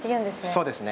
そうですね